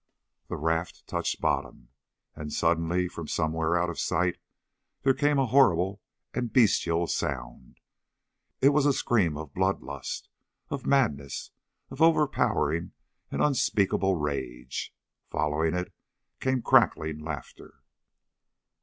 The raft touched bottom. And suddenly from somewhere out of sight there came a horrible and a bestial sound. It was a scream of blood lust, of madness, of overpowering and unspeakable rage. Following it came cackling laughter.